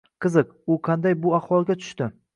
Qiziq, u qanday bu ahvolga tushdi